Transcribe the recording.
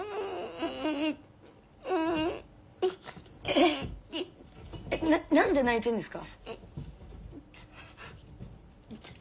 えっ何で泣いてんですか？